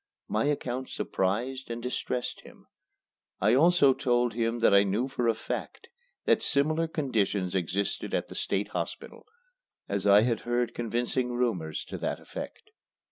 My account surprised and distressed him. I also told him that I knew for a fact that similar conditions existed at the State Hospital, as I had heard convincing rumors to that effect.